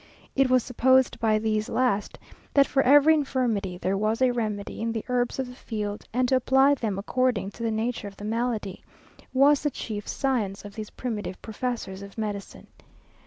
It was supposed by these last, that for every infirmity there was a remedy in the herbs of the field; and to apply them according to the nature of the malady, was the chief science of these primitive professors of medicine.